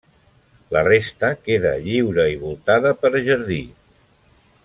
La resta queda lliure i voltada per jardí.